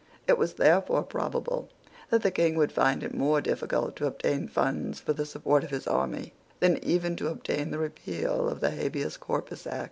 It was therefore probable that the King would find it more difficult to obtain funds for the support of his army than even to obtain the repeal of the Habeas Corpus Act.